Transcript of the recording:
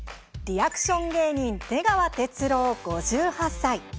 リアクション芸人出川哲朗、５８歳。